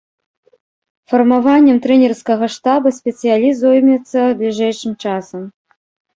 Фармаваннем трэнерскага штаба спецыяліст зоймецца бліжэйшым часам.